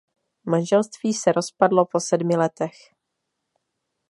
Manželství se rozpadlo po sedmi letech.